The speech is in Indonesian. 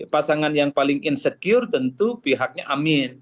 pasangan yang paling insecure tentu pihaknya amin